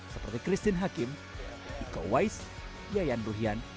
seperti christine hakim iko weiss yayan ruhian